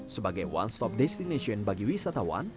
sebagai one stop destination bagi wisatawan